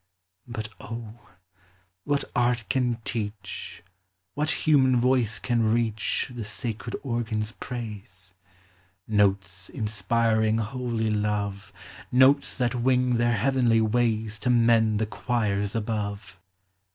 But O, what art can teach, What human voice can reach, The sacred organ's praise ? Notes inspiring holy love, Notes that wing their heavenly ways To mend the choirs above.